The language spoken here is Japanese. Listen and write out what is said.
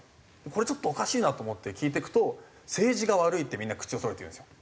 これちょっとおかしいなと思って聞いていくと「政治が悪い」ってみんな口をそろえて言うんですよ。